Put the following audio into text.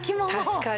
確かに。